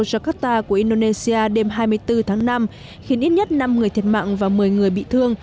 jakarta của indonesia đêm hai mươi bốn tháng năm khiến ít nhất năm người thiệt mạng và một mươi người bị thương